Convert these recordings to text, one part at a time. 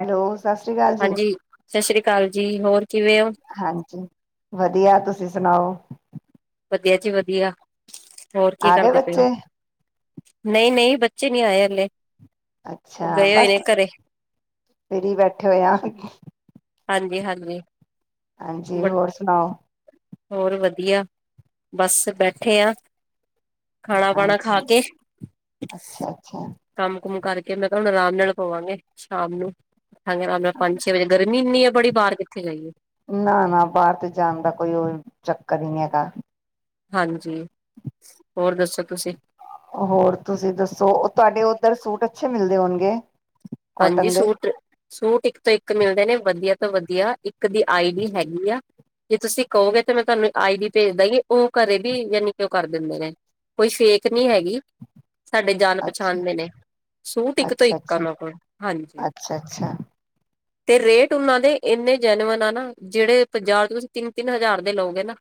Hello ਸਤਿ ਸ੍ਰੀ ਅਕਾਲ ਜੀ ਹਾਂਜੀ ਸਤਿ ਸ੍ਰੀ ਅਕਾਲ ਜੀ ਹੋਰ ਕਿਵੇਂ ਹੋ? ਹਾਂਜੀ ਵਧੀਆ ਤੁਸੀਂ ਸੁਣਾਓ। ਵਧੀਆ ਜੀ ਵਧੀਆ। ਹੋਰ ਕੀ ਆ ਗਏ ਕਰਦੇ ਪਏ ਬੱਚੇ ਹੋ? ਨਹੀਂ-ਨਹੀਂ ਬੱਚੇ ਨਹੀਂ ਆਏ ਹਲੇ। ਅੱਛਾ ਉਹ ਗਏ ਹੋਏ ਬਸ ਨੇ ਘਰੇ, ਫ੍ਰੀ ਬੈਠੇ ਹੋਏ ਆ। [unintelligible] ਹਾਂਜੀ ਬ ਹੋਰ ਸੁਣਾਓ। ਹੋਰ ਵਧੀਆ ਬਸ ਬੈਠੇ ਆ। ਖਾਣਾ ਪਾਣਾ ਹਾਂਜੀ ਖਾ ਕੇ ਅੱਛਾ ਅੱਛਾ ਕੰਮ-ਕੁਮ ਕਰ ਮੈਂ ਕਿਆ ਹੁਣ ਆਰਾਮ ਨਾਲ ਪਵਾਂਗੇ ਸ਼ਾਮ ਨੂੰ। ਉੱਠਾਂਗੇ ਨਾਲ ਪੰਜ ਛੇ ਵਜੇ ਗਰਮੀ ਇੰਨੀ ਆ ਬੜੀ ਬਾਹਰ ਕਿੱਥੇ ਜਾਈਏ। ਨਾ ਨਾ ਬਾਹਰ ਤੇ ਜਾਣ ਦਾ ਕੋਈ ਉਹ ਚੱਕਰ ਹੀਣੀ ਹੇਗਾ ਹਾਂਜੀ ਹੋਰ ਦੱਸੋ ਤੁਸੀਂ? ਹੋਰ ਤੁਸੀਂ ਦੱਸੋ ਤੁਹਾਡੇ ਉੱਧਰ ਸੂਟ ਅੱਛੇ ਮਿਲਦੇ ਹੋਣਗੇ? ਹਾਂਜੀ ਕੋਟਨ ਦੇ ਸੂਟ, ਸੂਟ ਇੱਕ ਤੋਂ ਇੱਕ ਮਿਲਦੇ ਨੇ ਵਧੀਆ ਵਧੀਆ ਇੱਕ ਦੀ ਆਈ-ਡੀ ਹੈਗੀ ਆ ਜੇ ਤੁਸੀਂ ਕਹੋਗੇ ਤੇ ਮੈਂ ਤੁਹਾਨੂੰ ਆਈ-ਡੀ ਭੇਜ ਦਾਂਗੀ ਉਹ ਘਰੇ ਵੀ ਯਾਨੀ ਕਿ ਉਹ ਕਰ ਦਿੰਦੇ ਨੇ ਕੋਈ ਫੇਕ ਨੀ ਹੈਗੀ। ਸਾਡੇ ਜਾਣ ਅੱਛਾ ਪਛਾਣ ਦੇ ਨੇ ਸੂਟ ਇੱਕ ਤੋਂ ਇੱਕ ਓਨਾ ਕੋਲ। ਹਾਂਜੀ। ਅੱਛਾ-ਅੱਛਾ ਤੇ ਰੇਟ ਉਹਨਾਂ ਦੇ ਇੰਨੇ ਜੈਨਵਨ ਆ ਨਾ ਜਿਹੜੇ ਪੰਜਾਬ ਚ ਤੁਸੀਂ ਤਿੰਨ-ਤਿੰਨ ਹਜ਼ਾਰ ਦੇ ਲਓਗੇ ਨਾ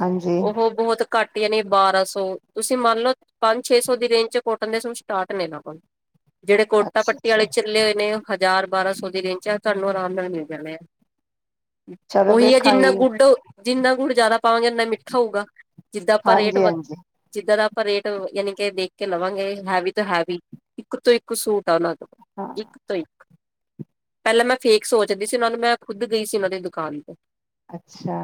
ਹਾਂਜੀ ਉਹ ਬਹੁਤ ਘੱਟ ਯਾਨੀ ਬਾਰਾਂ-ਸੌ ਤੁਸੀਂ ਮੰਨ ਲਓ ਪੰਜ ਛੇ-ਸੌ ਦੀ ਰੇਂਜ ਚ ਕੋਟਨ ਦੇ ਸਟਾਰਟ ਨੇ ਲ ਜਿਹੜੇ ਕੋਟੱ ਅੱਛਾ ਆਲੇ ਅੱਛਾ ਚਲੇ ਹੋਏ ਣੇ ਹਜ਼ਾਰ ਬਾਰਾਂ ਸੌ ਦੀ ਰੇਂਜ ਚ ਆ ਤੁਹਾਨੂੰ ਆਰਾਮ ਨਾਲ ਮਿਲ ਜਾਣੇ ਆ। ਚਲੋ ਉਹੀ ਹੈ ਜਿੰਨਾ ਵੇਖਾਂਗੀ ਗੁਡ ਜਿੰਨਾ ਗੁੜ ਜਿਆਦਾ ਪਾਵਾਂਗੇ ਉਨਾ ਮਿੱਠਾ ਹੋਊਗਾ ਜਿੱਦਾਂ ਆਪਾਂ ਰੇਟ ਹਾਂਜੀ ਵ ਹਾਂਜੀ ਜਿੱਦਾਂ ਦਾ ਰੇਟ ਯਾਨੀ ਕੇ ਦੇਖ ਕੇ ਲਵਾਂਗੇ ਹੈਵੀ ਤੋਂ ਹੈਵੀ ਇੱਕ ਤੋਂ ਇੱਕ ਸੂਟ ਹੈ ਓਨਾ ਹਾਂ ਕੋਲ ਇੱਕ ਤੋਂ ਇੱਕ ਪਹਿਲਾਂ ਮੈਂ ਫੇਕ ਸੋਚਦੀ ਸੀ ਉਹਨਾਂ ਨੂੰ ਮੈਂ ਖੁਦ ਗਈ ਸੀ ਉਹਨਾਂ ਦੀ ਦੁਕਾਨ ਤੇ। ਅੱਛਾ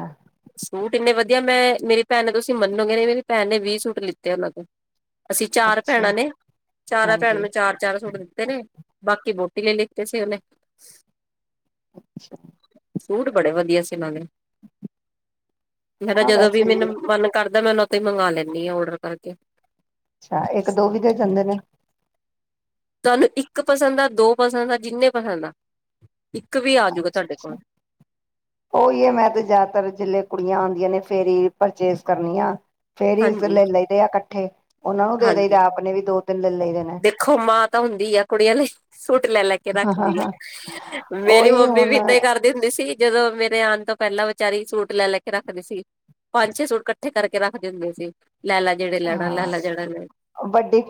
ਸੂਟ ਇੰਨੇ ਵਧੀਆ ਮੈਂ ਮੇਰੀ ਭੈਣ ਨੇ ਤੁਸੀਂ ਮੰਨੋਗੇ ਨਹੀਂ ਮੇਰੀ ਭੈਣ ਨੇ ਵੀਹ ਸੂਟ ਲਿੱਤੇ ਉਹਨਾਂ ਤੋ। ਅਸੀਂ ਚਾਰ ਅੱਛਾ ਭੈਣਾਂ ਨੇ ਚਾਰਾਂ ਭੈਣਾਂ ਹਾਂਜੀ ਨੂੰ ਚਾਰ-ਚਾਰ ਸੂਟ ਦਿੱਤੇ ਨੇ। [unintelligible] ਬਾਕੀ ਵੋਟੀ ਲਈ ਲਿਖਤੇ ਸੀ ਉਹਨੇ। ਅੱਛਾ। ਸੂਟ ਬੜੇ ਵਧੀਆ ਸੀ ਇਹਨਾਂ ਦੇ। ਮੇਰਾ ਹਾਂ ਜਦੋਂ ਵੀ ਵੈਸੇ ਮੈਨੂੰ ਮਨ ਕਰਦਾ। ਦਾਂ ਮੈਂ ਉਹ ਉੱਥ ਹੀ ਮੰਗਵਾ ਲੈਂਦੀ ਆਾਂ ਆਰਡਰ ਕਰਕੇ। ਅੱਛਾ ਇੱਕ ਦੋ ਵੀ ਦੇ ਜਾਂਦੇ ਨੇ ਤੁਹਾਨੂੰ ਇੱਕ ਪਸੰਦ ਆ ਦੋ ਪਸੰਦ ਆ ਜਿੰਨੇ ਪਸੰਦ ਆ। ਇੱਕ ਵੀ [unintelligible] ਆਜੂਗਾ ਅੱਛ ਤੁਹਾਡੇ ਕੋਲ ਅੱਛਾ ਉਹੀ ਹੈ ਮੈਂ ਤੇ ਜ਼ਿਆਦਾਤਰ ਜੇ ਕੁੜੀਆਂ ਆਉਂਦੀਆਂ ਨੇ। ਫੇਰੀ ਪਰਚੇਸ ਕਰਨੀ ਆ। ਫੇਰ ਹਾਂਜੀ ਲੈ ਲਦੇ ਆ ਇਕੱਠੇ। ਉਹਨਾਂ ਨੂੰ ਦੇ ਦੇਈ ਹਾਂਜੀ ਆਪ ਨੇ ਵੀ ਦੋ ਤਿੰਨ। ਲੈ ਲਈਦੇ ਨੇ ਦੇਖੋ ਮਾਂ ਤਾਂ ਹੁੰਦੀ ਆ ਕੁੜੀਆਂ ਲਈ। ਲੈ ਕੇ ਰੱਖਦੀ ਆ ਮੇਰੀ ਉਹੀ ਮੰਮੀ ਹੁਣ ਵੀ ਏਦਾਂ ਹੀ ਕਰਦੀ ਹੁੰਦੀ ਸੀ। [unintelligible] ਜਦੋਂ ਮੇਰੇ ਆਉਣ ਤੋਂ ਪਹਿਲਾਂ ਵਿਚਾਰੀ ਸੂਟ ਲੈ ਲੈ ਕੇ ਰੱਖਦੇ ਸੀ ਪੰਜ ਛੇ ਸੂਟ ਇਕੱਠੇ ਕਰਕੇ ਰੱਖਦੇ ਹੁੰਦੇ ਸੀ। ਲੈਲਾਾ ਜਿੜੇ ਲੈਣਾ ਹਾਂ ਲੈਲਾਾ ਜਿੜਾ ਲੈਣਾ। ਵੱਡੀ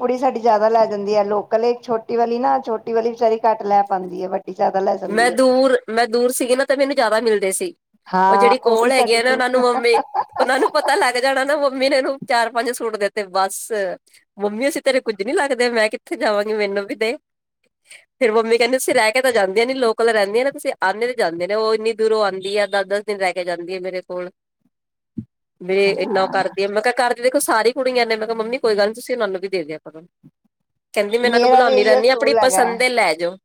[unintelligible] ਜ਼ਿਆਦਾ ਲੈ ਜਾਂਦੀ ਹੈ ਲੋਕਲ ਛੋਟੀ ਵਾਲੀ ਨਾ ਛੋਟੀ ਵਾਲੀ ਵਿਚਾਰੀ ਘੱਟ ਲੈ ਪਾਉਂਦੀ ਹੈ ਬਟ। [unintelligible] ਮੈਂ ਦੂਰ ਮੈਂ ਦੂਰ ਸੀਗੀ ਨਾ ਤੇ ਮੈਨੂੰ ਜ਼ਿਆਦਾ ਮਿਲਦੇ ਸੀ ਉਹ ਹਾਂ ਜਿਹੜੀ ਉਹੀ ਕੋਲ ਹੈਗੀ ਸਾਡੀ ਆ ਨਾ ਦੂ ਉਹਨਾਂ ਨੂੰ ਮੰਮੀ ਉਹਨਾਂ ਨੂੰ ਪਤਾ ਲੱਗ ਜਾਣਾ ਨਾ। [unintelligible] ਮੰਮੀ ਨੇ ਇਹਨੂੰ ਚਾਰ ਪੰਜ ਸੂਟ ਦਿੱਤੇ ਬਸ ਮੰਮੀ ਅਸੀਂ ਤੇਰੇ ਕੁੱਝ ਨੀ ਲੱਗਦੇ ਮੈਂ ਕਿੱਥੇ ਜਾਵਾਂਗੀ ਮੈਨੂੰ ਵੀ ਦੇ ਫਿਰ ਮੰਮੀ ਕਹਿੰਦੇ ਅਂ ਰਹਿ ਕੇ ਤਾਂ ਜਾਂਦੇ। [unintelligible] ਲੋਕਲ ਰਹਿੰਦੀ ਨਾ ਤੁਸੀਂ ਆਉਂਦੇ ਤੇ ਜਾਂਦੇ ਨੇ ਉਹ ਇੰਨੀ ਦੂਰੋਂ ਆਉਂਦੀ ਹੈ ਦਸ ਦਸ ਦਿਨ ਰਹਿ ਕੇ ਜਾਂਦੀ ਹੈ ਮੇਰੇ ਕੋਲ। ਵੀ ਇਨਾ ਹਾਂ, ਕਰਦੀ ਆ ਮੈਂ ਕਿਹਾ ਕਰਦੀ। [unintelligible] ਦੇਖੋ ਸਾਰੀ ਕੁੜੀਆਂ ਨੇੇ ਮੈਂ ਕਿਹਾ ਮੰਮੀ ਕੋਈ ਗੱਲ ਨੀ ਤੁਸੀਂ ਉਹਨਾਂ ਨੂੰ ਵੀ ਦੇ ਦਿਆ ਕਰੌ। [inaudible] ਕਹਿੰਦੀ ਮੈਂ ਇਹਨਾਂ ਨੂੰ ਮੇਰਾ ਵੀ ਬੁਲਾਉਂਦੀ ਇਹੀਓ ਰਹਿੰਦੀ ਹਾਂ ਆਪਣੀ ਅਸੂਲ ਹੈਗਾ ਪਸੰ ਤੇ ਲੈ ਜਾਓ।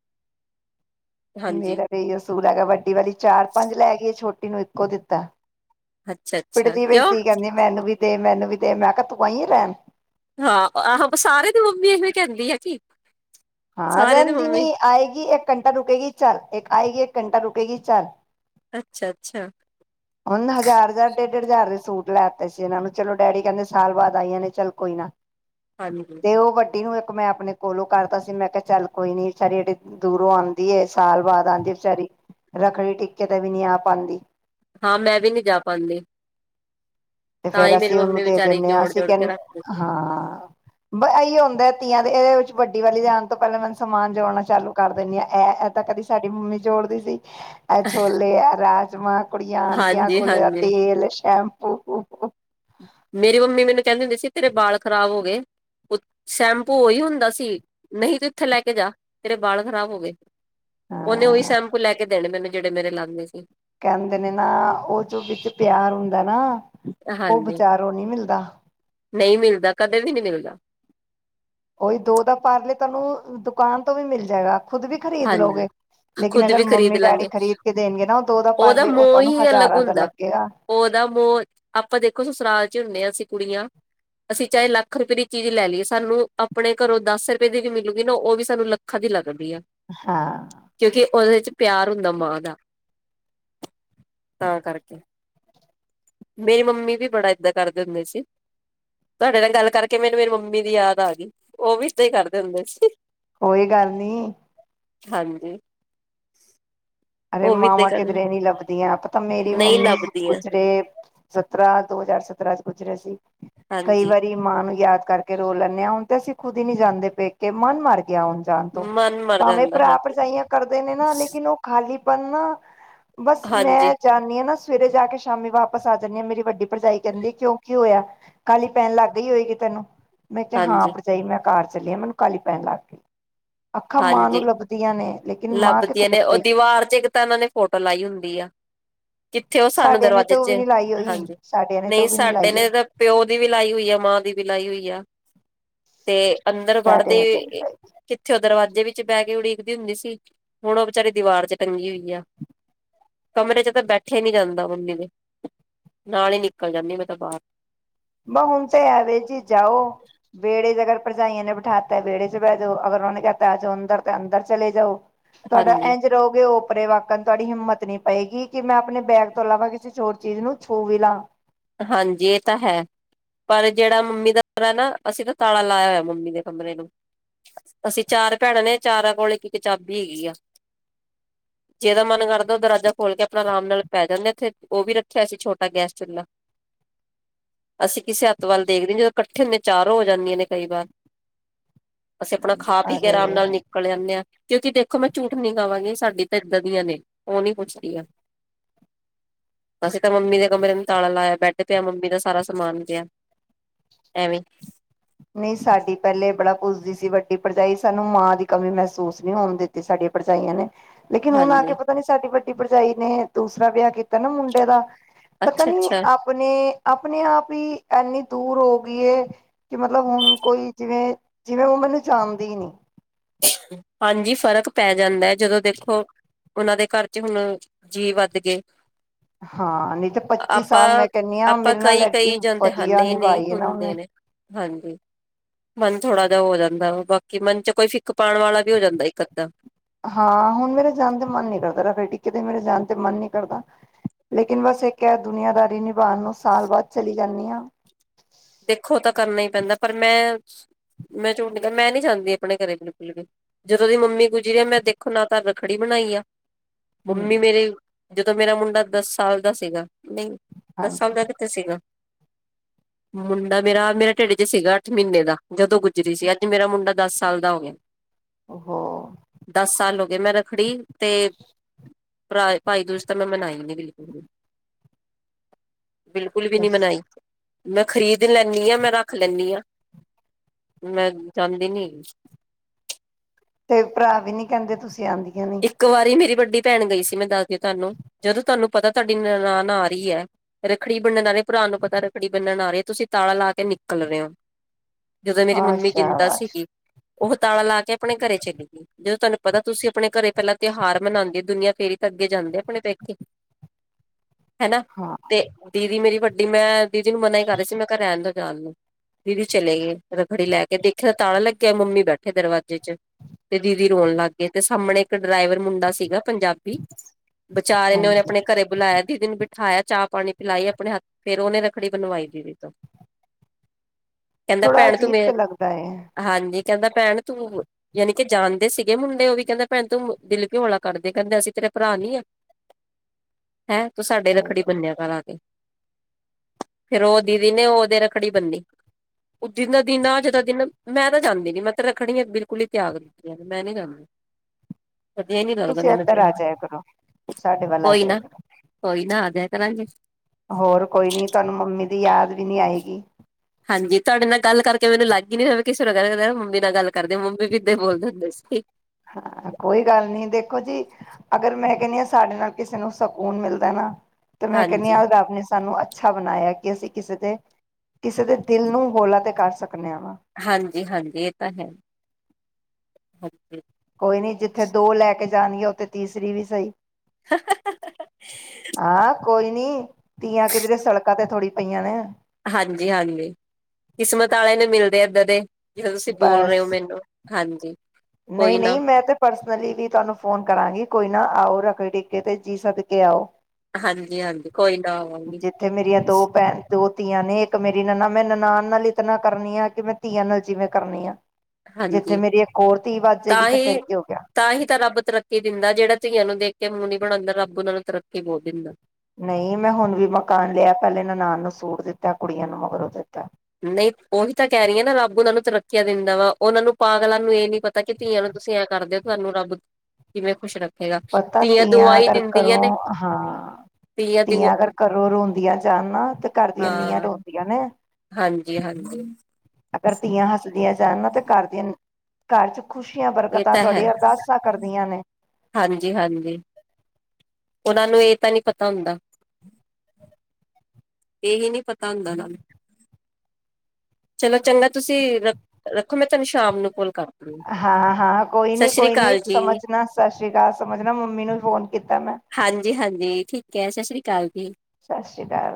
ਹਾਂਜੀ ਮੇਰਾ ਤੇ ਇਹੀ ਅਸੂਲ ਹੈਗਾ ਵੱਡੀ ਵਾਲੀ ਚਾਰ ਪੰਜ ਲੈ ਕੇ ਛੋਟ। ਟੀ ਨੂੰ ਇੱਕੋ ਦਿੱਤਾ। ਅੱਛਾ ਅੱਛਾ ਪਿੱਟਦੀ ਵ ਕਿਉਂ ਸੀ ਕਹਿੰਦੀ ਮੈਨੂੰ ਵੀ ਤੇ ਮੈਨੂੰ ਵੀ। ਤੇ ਮੈਂ ਕਿਹਾ ਤੂੰ ਆਈ ਰਹਿਣ। ਹਾਂ ਆਹੋ ਸਾਰੇ ਦੀ ਮੰਮੀ ਇਹੋ ਕਹਿੰਦੀ ਹੈ ਕਿ। ਹਾਂ ਸਾਰਿਆਂ ਦੀ ਮੰਮੀ ਰਨਦੀਨੀ ਆਏਗੀ ਇੱਕ ਘੰਟਾ ਰੁਕੇਗੀ ਚੱਲ ਇੱਕ। ਆਏਗੀ ਇੱਕ ਘੰਟਾ ਰੁਕੇਗੀ ਚਾਲ। ਅੱਛਾ ਅੱਛਾ। ਹੁਣ ਹਜ਼ਾਰ ਹਜ਼ਾਰ ਡੇਢ ਡੇਢ ਹਜ਼ਾਰ ਰਹੇ ਸੂਟ। [unintelligible] ਲੈ ਤੇ ਸੀ ਇਹਨਾਂ ਨੂੰ ਚਲੋ ਡੈਡੀ ਕਹਿੰਦੇ ਸਾਲ ਬਾਅਦ ਆਈਆਂ ਨੇ ਚੱਲ ਕੋਈ ਨਾ। [unintelligible] ਹਾਂਜੀ ਤੇ ਉਹ ਵੱਡੀ ਨੂੰ ਇੱਕ। [unintelligible] ਮੈਂ ਆਪਣੇ ਕੋਲੋਂ ਕਰਦਾ ਸੀ ਮੈਂ ਕਿਹਾ ਚੱਲ ਕੋਈ ਨੀ ਬਾਰੀ ਡੀੇ ਦੂਰੋਂ ਆਉਂਦੀ ਏ ਸਾਲ ਬਾਅਦ ਆਉਂਦੀ ਵਿਚਾਰੀ ਰੱਖੜੀ ਟਿੱਕੇ ਤਾਂ ਵੀ ਨੀ ਆ ਪਾਉਂਦੀ। ਹਾਂ ਮੈਂ ਵੀ ਨਹੀਂ ਜਾ ਪਾਉਂਦੀ। ਤੇ ਤਾਂ ਫੇਰ ਹੀ ਮੇਰੀ ਅਸੀਂ ਉਹਨੂੰ ਮੰਮੀ ਦੇ ਵਿਚਾਰੀ ਦਿੰਦੇ ਆਂ। ਜੋੜ ਅਸੀਂ ਜੋੜ ਕੇ ਕੇਣ ਰੱਖਦੀ ਸੀ ਹਾਂ- ਬ ਏਈਓ ਹੁੰਦਾ ਤੀਆਂ ਦੇ ਇਹਦੇ ਵਿੱਚ ਵੱਡੀ ਵਾਲੀ ਆਣ ਤੋਂ ਪਹਿਲਾਂ ਮੈਨੂੰ ਸਮਾਨ ਜੋੜਨਾ ਚਾਲੂ ਕਰ ਦਿੰਦੀ ਆਂ। ਇਹ ਏਦਾ ਕਦੀ ਸਾਡੀ ਮੰਮੀ ਜੋੜਦੀ ਸੀ। ਐ ਛੋਲੇ -ਐ ਰਾ- ਜਮਾ ਕੁੜੀਆਂ ਆਣਗੀਆਂ। ਹਾਂਜੀ ਕੋਲੇ ਦਾ ਹਾਂਜੀ ਤੇਲ, ਸ਼ੈਮ [inaudible] [inaudible] ਮੇਰੀ ਮੰਮੀ ਮੈਨੂੰ ਕੇਂਦੀ ਹੁੰਦੀ ਸੀ, ਤੇਰੇ ਬਾਲ ਖਰਾਬ ਹੋ ਗਏ। ਪ ਸ਼ੈਂਪੂ ਉਹੀ ਹੁੰਦਾ ਸੀ ਨਹੀਂ ਤੇ ਇੱਥੋ ਲੈ ਕੇ ਜਾ ਤੇਰੇ ਬਾਲ ਖ਼ਰਾਬ ਹੋ ਗਏ। ਉਨੇ ਉਹੀ ਹਾਂ ਸੈਂਪੂ ਲੈ ਕੇ ਦੇਣੇ ਮੈਨੇ। ਜਿਹੜੇ ਮੇਰੇ ਲਾਂਦੇ ਸੀ। ਕਹਿੰਦੇ ਨੇ ਨਾ ਉਹ ਜੋ ਵਿੱਚ ਪਿਆਰ ਹੁੰਦਾ ਨਾ। ਉਹ ਹਾਂਜੀ ਬਜਾਰੋਂ ਨੀ ਮਿਲਦਾ। ਨਹੀਂ ਮਿਲਦਾ ਕਦੇ ਵੀ ਨੀ ਮਿਲਦਾ। ਉਹੀ ਦੋ ਦਾ ਪਾਰਲੇ ਤਾਨੂੰ ਦੁਕਾਨ ਤੋਂ ਵੀ ਮਿਲ ਜਾਏਗਾ। ਖੁਦ ਵੀ ਖਰੀਦ ਹਾਂਜੀ ਲੋਗੇ ਲੇਕਿਨ ਖੁਦ ਅਗਰ ਵੀ ਮੰਮੀ ਖ਼ਰੀਦ ਡੈਡੀ ਲਾਂਗੇ। ਖਰੀਦ ਕੇ ਦੇਣਗੇ ਨਾ ਉਹ ਦੋ ਦਾ ਉਹਦਾ ਪਾਰਲੇ ਉਹ ਮੋਹ ਤੁਹਾਨੂੰ ਹੀ ਅਲੱਗ ਹਜ਼ਾਰਾਂ ਦਾ ਹੁੰਦਾ। ਲੱਗੇਗਾ ਉਹਦਾ ਮੋਹ ਆਪਾਂ ਦੇਖੋ ਸਸੁਰਾਲ- ਲ ਹੁਣੇ ਆਂ ਅਸੀਂ ਕੁੜੀਆਂ। ਅਸੀਂ ਚਾਹੇ ਲੱਖ ਰੁਪਏ ਦੀ ਚੀਜ਼ ਲੈ ਲਈਏ, ਸਾਨੂੰ ਆਪਣੇ ਘਰੋਂ ਦਸ ਰੁਪਏ ਦੀ ਵੀ ਮਿਲੂਗੀ ਨਾ ਉਹ ਵੀ ਸਾਨੂੰ ਲੱਖਾਂ ਦੀ ਲੱਗਦੀ ਆ। ਹਾਂ ਕਿਉਂਕਿ ਉਦੇ 'ਚ- ਪਿਆਰ ਹੁੰਦਾ ਮਾਂ ਦਾ। ਤਾਂ ਕਰਕੇ ਮੇਰੀ ਮੰਮੀ ਵੀ ਬੜਾ ਏਦਾਂ ਕਰਦੇ ਹੁੰਦੇ ਸੀ। ਤਾਡੇ ਨਾਲ ਗੱਲ ਕਰਕੇ ਮੈਨੂੰ ਮੇਰੀ ਮੰਮੀ ਦੀ ਯਾਦ ਆ ਗਈ। ਉਹ ਵੀ ਏਦਾਂ ਈ ਕਰਦੇ ਹੁੰਦੇ ਸੀ ਕੋਈ ਗੱਲ ਨੀ। ਹਾਂਜੀ ਅਰੇ ਉਹ ਵੀ ਏਦਾਂ ਮਾਵਾਂ ਕਰਨ ਕਿਧਰੇ ਨੀ ਲੱਭਦੀਆਂ। ਆ ਪਤਾ ਮੇਰੀ ਨਹੀਂ ਮੰਮੀ ਲੱਭਦੀਆਂ ਗੁਜਰੇ- ਸਤਰਾਂ ਦੋ ਹਜ਼ਾਰ ਸਤਰਾਂ ਚ ਗੁਜਰੇ ਸੀ। ਕਈ ਹਾਂਜੀ ਵਾਰੀ ਮਾਂ ਨੂੰ ਯਾਦ- ਕਰਕੇ ਰੋ ਲੈਂਦੇ ਆ। ਹੁਣ ਤੇ ਅਸੀਂ ਖੁਦ ਈ ਨੀ ਜਾਂਦੇ ਪੇਕੇ ਮਨ ਮਾਂਰੀਆ ਗਿਆ ਹੋਣ ਜਾਣ ਤੋਂ। ਮਨ ਮਰ ਭਾਵੇਂ ਜਾਂਦਾ ਭਰਾ ਹਾਂਜੀ ਭਰਜਾਈਆਂ ਕਰਦੇ ਨੇ ਨਾ ਲੇਕਿਨ ਉਹ- ਖਾਲੀ ਪਨ ਨਾ- ਬਸ ਹਾਂਜੀ ਮੈਂ ਜਾਣੀ ਆ ਨਾ- ਸਵੇਰੇ ਜਾ ਕੇ ਸ਼ਾਮੀ ਵਾਪਸ ਆ ਜਾਂਦੀ ਆ। ਮੇਰੀ ਵੱਡੀ ਭਰਜਾਈ ਕੇਂਦੀ ਕਿਉਂ ਕੀ ਹੋਇਆ ਕਾਹਲੀ ਪੈਣ ਲੱਗਈ ਹੋਏਗੀ ਤੈਨੂੰ। ਮੈਂ ਕਿਹਾ ਹਾਂ ਹਾਂਜੀ ਭਰਜਾਈ ਮੈਂ- ਘਰ ਚੱਲੀ ਆ ਮੈਨੂੰ ਕਾਲੀ ਪੈਣ ਲੱਗ ਗਈ ਅੱਖਾਂ ਮਾਂ ਨੂੰ ਹਾਂਜੀ ਲੱਭਦੀਆਂ ਨੇ, ਲੇਕਿਨ ਮਾਂ ਕਿੱਥੋ ਲੱਭਦੀਆਂ ਨੇ ਉਹ ਲੱਭੇਗੀ? ਦੀਵਾਰ ਇੱਕ ਤਾਂ ਉਨਾਂ ਨੇ ਫੋਟੋ ਲਾਈ ਹੁੰਦੀ ਆ। ਕਿੱਥੇ ਉਹ ਸਾਨੂੰ ਸਾਡਿਆਂ ਨੇ ਦਰਵਾਜ਼ੇ' ਤੇ ਉਹ ਵੀ ਚ। ਨੀ ਲਾਈ ਹੋਈ ਹਾਂਜੀ ਸਾਡਿਆਂ ਨੇ ਤੇ -ਨਹੀਂ ਉਹ ਵੀ ਨੀ ਸਾਡੇ ਲਾਈ ਹੋਈ ਨੇ ਤਾਂ ਪਿਓ ਦੀ ਵੀ ਲਾਈ ਹੋਈ ਆ ਮਾਂ ਦੀ ਵੀ ਲਾਈ ਹੋਈ ਆ। ਤੇ ਅੰਦਰ ਸਾਡਿਆਂ ਵੜਦੇ ਨੇ ਤੇ ਉਹ ਵੀ ਲਾਈ -ਕਿੱਥੇ। ਜੇ ਵਿੱਚ ਬਹਿ ਕੇ ਉਡੀਕਦੀ ਹੁੰਦੀ ਸੀ ਹੁਣ ਉਹ ਬਚਾਰੀ ਦੀਵਾਰ ਚ ਟੰਗੀ ਹੋਈ ਆ ਕਮਰੇ ਚ ਤਾਂ ਬੈਠੇ ਨੀ ਜਾਂਦਾ ਮੰਮੀ ਦੇ ਨਾਲ ਹੀ ਨਿਕਲ ਜਾਂਦੀ ਮੈਂ ਤਾਂ ਬਾਹਰ ਮ ਹੁਣ ਤੇ ਐਵੇ ਜੀ ਜਾਓ ਵਿਹੜੇ ਚ ਅਗਰ ਭਰਜਾਈਆਂ ਨੇ ਬਿਠਾਤਾ ਵਿਹੜੇ ਚ ਬਹਿ ਜਾਓ ਅਗਰ ਉਹਨਾਂ ਨੇ ਕਹਿਤਾ ਆ ਜੋ ਅੰਦਰ ਤੇ ਅੰਦਰ ਚਲੇ ਜਾਓ ਤੁਹਾਡਾ ਹਾਂਜੀ ਇੰਜ ਰਹੋਗੇ ਉਹ ਕੱਪੜੇ ਵਾਕਣ ਤੁਹਾਡੀ ਹਿੰਮਤ ਨੀ ਪਏਗੀ ਕਿ ਮੈਂ ਆਪਣੇ ਬੈਗ ਤੋਂ ਇਲਾਵਾ ਕਿਸੇ ਹੋਰ ਚੀਜ਼ ਨੂੰ ਛੂਹ ਵੀ ਲਾ ਹਾਂਜੀ ਇਹ ਤਾਂ ਹੈ ਪਰ ਜਿਹੜਾ ਮੰਮੀ ਦਾ ਕਮਰਾ ਨਾ ਅਸੀਂ ਤਾਂ ਤਾਲਾ ਲਾਇਆ ਹੋਇਆ ਮੰਮੀ ਦੇ ਕਮਰੇ ਨੂੰ ਅਸੀਂ ਚਾਰ ਭੈਣਾਂ ਨੇ ਚਾਰਾਂ ਕੋਲ ਇੱਕ ਇੱਕ ਚਾਬੀ ਹੈਗੀ ਆ ਜਿਹਦਾ ਮਨ ਕਰਦਾ ਦਰਵਾਜਾ ਖੋਲ ਕੇ ਆਪਣਾ ਆਰਾਮ ਨਾਲ ਪੈ ਜਾਂਦੇ ਉਥੇ ਉਹ ਵੀ ਰੱਖਿਆ ਅਸੀ ਛੋਟਾ ਗੈਸ ਚੁਲਾ [inaudible] ਕਿਸੇ ਅੱਤ ਵੱਲ ਦੇਖਦੇ ਨਾ ਇਕੱਠੇ ਨੇ ਚਾਰੋਂ ਹੋ ਜਾਂਦੀਆਂ ਨੇ ਕਈ ਵਾਰ ਅਸੀਂ ਆਪਣਾ ਖਾ ਪੀ ਕੇ ਆਰਾਮ ਅਰੇ ਨਾਲ ਨਿਕਲ ਜਾਂਦੇ ਹਾਂ ਕਿਉਂਕਿ ਦੇਖੋ ਮੈਂ ਝੂਠ ਨੀ ਕਵਾਗੀ ਸਾਡੀ ਤਾਂ ਇੱਦਾਂ ਦੀਆਂ ਨੇ ਉਹ ਨੀ ਪੁੱਛਦੀਆਂ ਅਸੇ ਤਾਂ ਮੰਮੀ ਦੇ ਕਮਰੇ ਨੂੰ ਤਾਲਾ ਲਾਇਆ ਬੈਡ ਪਿਆ ਮੰਮੀ ਦਾ ਸਾਰਾ ਸਮਾਨ ਪਿਆ ਐਵੇਂ ਨਹੀਂ ਸਾਡੀ ਪਹਿਲੇ ਬੜਾ ਪੁੱਛਦੀ ਸੀ ਵੱਡੀ ਭਰਜਾਈ ਸਾਨੂੰ ਮਾਂ ਦੀ ਕਮੀ ਮਹਿਸੂਸ ਨਹੀਂ ਹੋਣ ਦਿੱਤੀ ਸਾਡੀਆਂ ਭਰਜਾਈਆਂ ਨੇ ਲੇਕਿਨ, ਹੁਣ ਆ ਕੇ ਹਾਂਜੀ ਪਤਾ ਨੀ, ਸਾਡੀ ਬੱਚ ਭਰਜਾਈ ਨੇ ਦੂਸਰਾ ਵਿਆਹ ਕੀਤਾ ਨਾ ਮੁੰਡੇ ਦਾ, ਪਤਾ ਅੱਛਾ ਨੀ ਅੱਛਾ ਆਪਣੇ ਆਪਨੇ ਆਪ ਈ, ਐਨੀ ਦੂਰ ਓ ਗਈਏ। ਕਿ ਮਤਲਬ, ਹੁਣ ਕੋਈ ਜਿਵੇਂ, ਜਿਵੇਂ ਉਹ ਮੈਨੂੰ ਜਾਨਦੀ ਹੀ ਨਹੀਂ। ਹਾਂਜੀ ਫ਼ਰਕ ਪੈ ਜਾਂਦਾ ਐ, ਜਦੋਂ ਦੇਖੋ ਉਹਨਾਂ ਦੇ ਘਰ ਚ ਹੁਣ ਜੀਅ ਵੱਧ ਗਏ। ਹਾਂ, ਨਹੀਂ ਤੇ ਪੱਚੀ ਆਪਾਂ ਸਾਲ ਮੈਂ ਕਹਿੰਨੀ ਆਂ, ਆਪਾਂ ਮੇਰੇ ਨਾਲ ਕਈ ਐਡੀ ਕਈ ਜਾਂਦੇ ਹਾਂ ਵਧੀਆ ਨਹੀਂ ਨਹੀਂ ਨਿਭਾਈ ਹੈ ਨਾ ਹੁੰਦੇ ਉਹਨੇ। ਨੇ ਹਾਂਜੀ, ਮਨ ਥੋੜਾ ਜਿਹਾ ਹੋ ਜਾਂਦਾ ਵ, ਬਾਕੀ ਮਨ ਚ ਕੋਈ ਫ ਕ ਪਾਉਣ ਵਾਲਾ ਵੀ ਹੋ ਜਾਂਦਾ, ਇੱਕ ਅੱਧਾ। ਹਾਂ ਹੁਣ ਮੇਰੇ ਜਾਣ ਤੇ ਮਨ ਨਹੀਂ ਕਰਦਾ, ਰਖੜਕੇ ਤੇ ਮੇਰੇ ਜਾਣ ਤੇ ਮਨ ਨਹੀਂ ਕਰਦਾ ਲੇਕਿਨ, ਬਸ ਇੱਕ ਹੈ ਦੁਨੀਆਂਦਾਰੀ ਨਿਭਾਉਣ ਨੂੰ ਸਾਲ ਬਾਅਦ ਚਲੀ ਜਾਂਦੀ ਹਾਂ। ਦੇਖੋ ਤਾਂ ਕਰਨਾ ਈ ਪੈਂਦਾ, ਪਰ ਮੈਂ, ਮੈਂ, ਮੈਂ ਨਹੀਂ ਜਾਂਦੀ ਆਪਣੇ ਘਰੇ ਬਿਲਕੁਲ ਵੀ, ਜਦੋਂ ਦੀ ਮੰਮੀ ਗੁਜਰੀ ਆ, ਮੈਂ ਦੇਖੋ ਨਾ ਤਾਂ ਰੱਖੜੀ ਬਣਾਈ ਆ। ਮੰਮੀ ਹਮ ਮੇਰੀ ਜਦੋਂ ਮੇਰਾ ਮੁੰਡਾ ਦਸ ਸਾਲ ਦਾ ਸੀਗਾ। ਨਹੀਂ ਦੱਸ ਸਾਲ ਹਾਂਜੀ ਦਾ ਕਿਥੇ ਸੀਗਾ? ਮੁੰਡਾ ਮੇਰਾ, ਮੇਰਾ ਢਿੱਡ ਚ ਸੀਗਾ ਅੱਠ ਮਹੀਨੇ ਦਾ, ਜਦੋਂ ਗੁਜਰੀ ਸੀ ਅੱਜ ਮੇਰਾ ਮੁੰਡਾ ਦਸ ਸਾਲ ਦਾ ਹੋ ਗਿਆ। ਉਹੋ ਦਸ ਸਾਲ ਹੋ ਗਏ ਮੈਂ ਰੱਖੜੀ, ਤੇ ਭਰਾ ਭਾਈ ਦੂਜ ਤਾਂ ਮੈਂ ਮਨਾਈ ਨੀ, ਬਿਲਕੁਲ। ਬਿਲਕੁਲ ਵੀ ਨਹੀਂ ਬਸ ਮਨਾਈ? ਮੈਂ ਖਰੀਦ ਲੈਨੀ ਆਂ, ਮੈਂ ਰੱਖ ਲੈਨੀ ਆਂ, ਮੈਂ ਜਾਂਦੀ ਨੀ। ਤੇ ਭਰਾ ਵੀ ਨੀ ਕਹਿੰਦੇ, ਤੁਸੀਂ ਆਉਂਦੀਆਂ ਨੀ। ਵਡੀ ਭੈਣ ਗਈ ਸੀ, ਮੈਂ ਦੱਸਦੀ ਤੁਹਾਨੂੰ, ਜਦੋਂ ਤੁਹਾਨੂੰ ਪਤਾ ਤੁਹਾਡੀ ਨਨਾਨ ਆ ਰਹੀ ਹੈ, ਰੱਖੜੀ ਬੰਨਣ ਦਾ ਨੇ ਪੁਰਾ ਨੂੰ ਪਤਾ ਰਖੜੀ ਬੰਨਣ ਆ ਰਹੀ ਏ, ਤੁਸੀਂ ਤਾਲਾ ਲਾ ਕੇ ਨਿਕਲ ਰਹੇ ਓੰ। ਜਦੋਂ ਮੇਰੀ ਆਹ ਮੰਮੀ ਜਿੰਦਾ ਸੀ ਸ਼ਾਬਾਸ਼ ਗੀ। ਉਹ ਤਾਲਾ ਲਾ ਕੇ ਆਪਣੇ ਘਰੇ ਚਲੇ ਗਈ, ਜਦੋਂ ਤੁਹਾਨੂੰ ਪਤਾ ਤੁਸੀਂ ਆਪਣੇ ਘਰੇ ਪਹਿਲਾਂ ਤਿਉਹਾਰ ਮਨਾਉਂਦੇ, ਦੁਨੀਆਂ ਫੇਰੀ ਤੇ ਅੱਗੇ ਜਾਂਦੇ ਆਪਣੇ ਪੈਕੇ। ਹਨਾ, ਹਾਂ ਤੇ ਦੀਦੀ ਮੇਰੀ ਵੱਡੀ ਮੈਂ ਦੀਦੀ ਨੂੰ ਮਨਾ ਈ ਕਰ ਰਈ ਸੀ ਮੈਂ, ਰਹਿਣ ਤੋਂ ਦੀਦੀ ਚਲੇ ਗਏ ਰੱਖੜੀ ਲੈ ਕੇ, ਦੇਖਿਆ ਦਾ ਤਾਲਾ ਲੱਗਿਆ ਮੰਮੀ ਬੈਠੇ ਦਰਵਾਜ਼ੇ ਚ, ਤੇ ਦੀਦੀ ਰੋਣ ਲੱਗ ਗਏ, ਤੇ ਸਾਹਮਣੇ ਇੱਕ ਡਰਾਈਵਰ ਮੁੰਡਾ ਸੀਗਾ ਪੰਜਾਬੀ, ਵਿਚਾਰੇ ਨੇੇ ਉਹਨੇ ਹਾਂਜੀ ਆਪਣੇ ਘਰੇ ਬੁਲਾਇਆ, ਦੀਦੀ ਨੂ, ਬ ਹਾਂ ਚਾਹ ਪਾਣੀ ਪਿਲਾਈ, ਆਪਣੇ ਫਿਰ ਉਹਨੇ ਰਖੜੀ ਬਨਵਾਈ ਦੀਦੀ ਤੋੰ। ਕਹਿੰਦਾ ਥੋੜਾ ਭੈਣ ਤ ਅਜੀਬ ਮਂ ਤੇ ਲੱਗਦਾ ਹੈ ਹਾਂਜੀ ਕਹਿੰਦਾ ਭੈਣ ਤੂੰ, ਯਾਨੀ ਕਿ ਜਾਣਦੇ ਸੀਗੇ ਮੁੰਡੇ, ਉਹ ਵੀ ਕਹਿੰਦਾ ਭੈਣ ਤੂੰ ਦਿਲ ਕਿਓ ਹੋਲਾ ਕਰਦੀਆਂ, ਕਹਿੰਦੇ ਅਸੀਂ ਤੇਰੇ ਭਰਾ ਨੀ ਆ? ਹੈਂ, ਤੂੰ ਸਾਡੇ ਰੱਖੜੀ ਬੰਨਿਆ ਕਰ ਆਕੇ। ਫੇਰ ਉਹ ਦੀਦੀਨੇ ਉਹਦੇ ਰੱਖੜੀ ਬੰਨੀ, ਜਿਨਾ ਦਿਨ ਆ ਜਦਾ ਦਿਨ ਮੈਂ ਤਾਂ ਜਾਂਦੀ ਨੀ, ਮੈਂ ਤਾਂ ਰੱਖੜੀਆਂ ਬਿਲਕੁਲ ਹੀ ਤਿਆਗਤੀਆਂ ਨੇ, ਮੈਂ ਨਹੀਂ ਜਾਂਦੀ। ਵਧੀਆ ਨੀ ਲੱਗਦਾ ਤੁਸੀਂ ਮੈਨੂੰ ਇੱਧਰ ਆ ਤਿਉਹਾਰ ਜਾਇ ਕਰੋ ਸਾਡੇ ਵੱਲ ਆ ਜਾਇ ਕਰੋ ਨਹਾ ਦਿਆ ਕਾਰਗੇ ਹੋਰ ਕੋਈ ਨੀ ਤੁਹਾਨੂੰ ਮੰਮੀ ਦੀ ਯਾਦ ਵੀ ਨੀ ਆਏਗੀ ਹਾਂਜੀ ਤੁਹਾਡੇ ਨਾਲ ਗੱਲ ਕਰਕੇ ਮੈਨੂੰ ਲੱਗਈ ਨ ਕਿਸੇ ਨੂੰ ਕ ਕ ਮੰਮੀ ਨਾਲ ਗੱਲ ਕਰਦੇ ਮੰਮੀ ਵੀ ਇੱਦਾਂ ਬੋਲਦੇ ਹੁੰਦੇ ਸੀ ਹਾਂ ਕੋਈ ਗੱਲ ਨਹੀਂੀ ਦੇਖੋ ਜੀ ਅਗਰ ਮੈਂ ਕਹਿੰਦੀ ਹਾਂ ਸਾਡੇ ਨਾਲ ਕਿਸੇ ਨੂੰ ਸਕੂਨ ਮਿਲਦਾ ਨਾ ਤੇ ਮੈਂ ਕਹਿੰਦੀ ਹਾਂਜੀ, ਅਦਾ ਆਪ ਨੇ ਸਾਨੂੰ ਅੱਛਾ ਬਣਾਇਆ ਕਿ ਅਸੀਂ ਕਿਸੇ ਦੇ ਕਿਸੇ ਦੇ ਦਿਲ ਨੂੰ ਹੋਲਾ ਤੇ ਕਰ ਸਕਦੇ ਹਾਂ ਵਾ ਹਾਂਜੀ ਹਾਂਜੀ ਇਹ ਤਾਂ ਹੈ [unintelligible] [inaudible] ਕੋਈ ਨੀ ਜਿੱਥੇ ਦੋ ਲੈ ਕੇ ਜਾਣਗ ਉੱਥੇ ਤੀਸਰੀ ਵੀ ਸਹੀ ਹਾਂ ਕੋਈ ਨੀ ਧੀਆਂ ਕਿ ਜੜੇ ਸੜਕਾਂ ਤੇ ਥੋੜੀ ਪਈਆਂ ਨੇ ਹਾਂਜੀ ਹਾਂਜੀ ਕਿਸਮਤ ਵਾਲੇ ਨੂੰ ਮਿਲਦੇ ਇਏਦਾਂ ਦੇ ਜਿ ਤੁਸੀਂ ਬੋਲ ਰਹੇ ਹੋ ਬਸ ਮੈਨੂੰ ਹਾਂਜੀ ਨਹੀਂ ਕੋਈ ਨਾ ਨਹੀਂ ਮੈਂ ਤੇ ਪਰਸਨਲੀ ਵੀ ਤੁਹਾਨੂੰ ਫੋਨ ਕਰਾਂਗੀ ਕੋਈ ਨਾ ਆਓ ਰ ਟੇਕੇ ਤੇ ਜੀ ਸਦ ਕੇ ਆਓ ਹਾਂਜੀ ਹਾਂਜੀ ਕੋਈ ਨਾ ਆਵਾਂਗੀ ਤੀਆਂ ਨੇ ਇੱਕ ਮੇਰੀ ਨਨਾ ਮੈਂ ਨਨਾਾਨ ਨਾਲ ਇਤਨਾ ਕਰਨੀ ਆ ਕਿ ਮੈਂ ਤੀਆਂ ਨਾਲ ਜਿਵੇਂ ਕਰਨੀ ਆ ਇਥੇ ਹਾਂਜੀ ਮੇਰੀ ਧੀ ਵੱਜ ਜਾਏਗੀ ਤਾਂ ਤੇ ਫੇਰ ਹੀ, ਕੀ ਹੋ ਗਿਆ ਤਾਂ ਹੀ ਤਾਂ ਰੱਬ ਤਰੱਕੀ ਦਿੰਦਾ ਜਿਹੜਾ ਧੀਆਂ ਨੂੰ ਦੇਖ ਕੇ ਮੁਨੀ ਬਣ ਅੰਦਰ ਰੱਬੂ ਨਾਲ ਤਰੱਕੀ ਬੋ ਦਿੰਦਾ। ਨਹੀਂ। ਮੈਂ ਹੁਣ ਵੀ ਮਕਾਨ ਲਿਆ। ਪਹਿਲੇ ਨਨਾਨ ਨੂੰ ਸੂਟ ਦਿੱਤਾ ਕੁੜੀਆਂ ਨੂੰ ਮਗਰੋਂ ਦਿੱਤਾ ਨਹੀਂ ਉਹੀ ਤਾਂ ਕਹਿ ਰਹੀਆਂ ਨਾ। ਰੱਬ ਉਹਨਾਂ ਨੂੰ ਤਰੱਕੀਆ ਦਿੰਦਾ ਵਾ। ਉਹਨਾਂ ਨੂੰ ਪਾਗਲਾਂ ਨੂੰ ਇਹ ਨੀ ਪਤਾ ਕਿ ਧੀਆਂ ਨੂੰ ਤੁਸੀਂ ਐਂ ਕਰਦੇ ਹੋ ਤੁਹਾਨੂੰ ਰੱਬ। ਕਿਵੇਂ ਖੁਸ਼ ਰੱਖ। ਪਤਾ ਧਿਆਂ ਅਗਰ ਘਰੋਂ ਹਾਂ। ਧੀਆਂ ਦੀ ਧਿਆਂ ਅਗਰ ਘਰੋਂ ਰੋਂਦੀਆਂ ਜਾਣ ਨਾ। ਤੇ ਘਰ ਦੀਆਂ ਨੀਆਂ ਰੋਂਦੀਆਂ ਨੇ ਹਾਂਜੀ-ਹਾਂਜੀ। ਅਗਰ ਧੀਆਂ। [unintelligible] ਜਾਣ ਤੇ ਘਰ ਦੀਆਂ ਘਰ ਚੁ ਖੁਸ਼ੀਆਂ, ਬਰਕਤਾਂ ਤੁਹਾਡੀਆਂ ਅਰਦਾਸਾਂ ਕਰਦੀਆਂ ਨੇ। ਹਾਂਜੀ-ਹਾਂਜੀ। ਉਹਨਾਂ ਨੂੰ ਇਹ ਤਾਂ ਨੀ ਪਤਾ ਹੁੰਦਾ। ਇਹੀ ਨੀ ਪਤਾ ਹੁੰਦਾ ਉਹਨਾਂ ਨੂੰ। ਚਲੋ ਚੰਗਾ ਤੁਸੀਂ ਰ, ਰੱਖੋ ਮੈਂ ਤੁਹਾਨੂੰ ਸ਼ਾਮ ਨੂੰ ਕੋਲ ਕਰ ਹਾਂ-ਹਾਂ ਕੋਈ ਨੀ, ਕੋਈ ਨੀ ਜੀ ਸਮਝਣਾ ਸਤਿ ਸ੍ਰੀ ਅਕਾਲ ਸਮਝਣਾ ਮੰਮੀ ਨੂੰ ਫੋਨ ਕੀਤਾ ਮੈਂ ਹਾਂਜੀ ਹਾਂਜੀ ਠੀਕ ਹੈ। ਸਤਿ ਸ਼੍ਰੀ ਅਕਾਲ ਜੀ। ਸਤਿ ਸ਼੍ਰੀ ਅਕਾਲ।